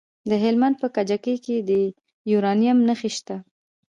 د هلمند په کجکي کې د یورانیم نښې شته.